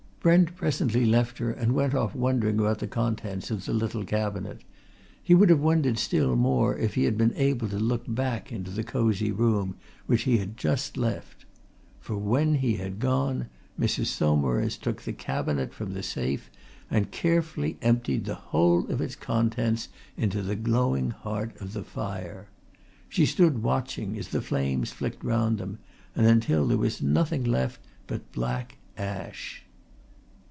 Brent presently left her and went off wondering about the contents of the little cabinet. He would have wondered still more if he had been able to look back into the cosy room which he had just left. For when he had gone, Mrs. Saumarez took the cabinet from the safe and carefully emptied the whole of its contents into the glowing heart of the fire. She stood watching as the flames licked round them, and until there was nothing left there but black ash.